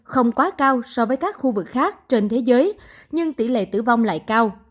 không quá cao so với các khu vực khác trên thế giới nhưng tỷ lệ tử vong lại cao